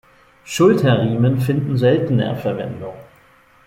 Schulterriemen finden seltener Verwendung.